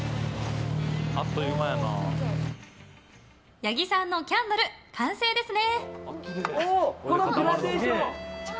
八木さんのキャンドル完成ですね。